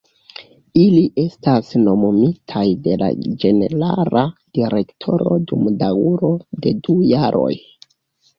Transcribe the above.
Ili estas nomumitaj de la ĝenerala direktoro dum daŭro de du jaroj.